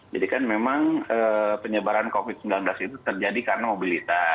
jadi kan memang penyebaran covid sembilan belas itu terjadi karena mobilitas